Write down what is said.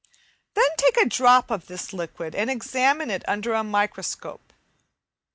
Then take a drop of this liquid, and examine it under a microscope.